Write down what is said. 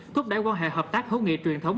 thúc đẩy quan hệ hợp tác hữu nghị truyền thống